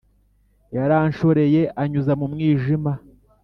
Yaranshoreye anyuza mu mwijima,